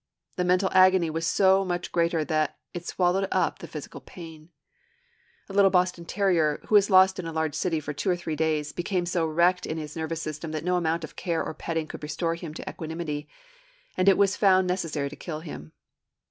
The mental agony was so much greater that it swallowed up the physical pain. A little Boston terrier, who was lost in a large city for two or three days, became so wrecked in his nervous system that no amount of care or petting could restore him to equanimity, and it was found necessary to kill him.